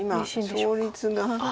今勝率が。